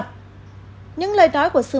phù hợp đ kafu